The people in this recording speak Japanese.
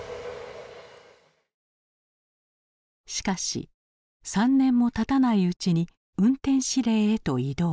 しかし３年もたたないうちに運転指令へと異動。